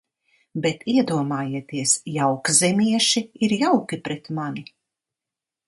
Bet, iedomājieties, jaukzemieši ir jauki pret mani!